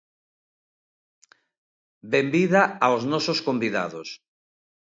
Benvida aos nosos convidados.